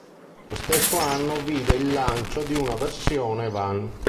Lo stesso anno vide il lancio di una versione van.